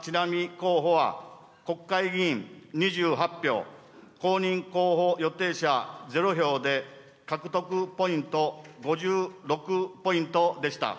候補は、国会議員２８票、公認候補予定者０票で獲得ポイント５６ポイントでした。